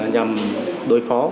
nhằm đối phó